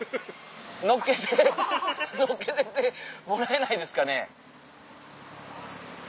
乗っけって乗っけてってもらえないですかね？